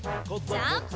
ジャンプ！